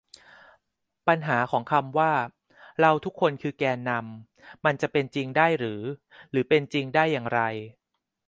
ปัญหาของคำว่า "เราทุกคนคือแกนนำ" มันจะเป็นจริงได้หรือ หรือเป็นจริงได้อย่างไร